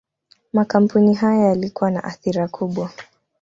Makampuni haya yalikuwa na athira kubwa.